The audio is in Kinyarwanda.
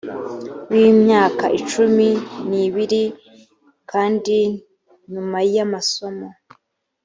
b imyaka cumi n ibiri kandi nyuma y amasomo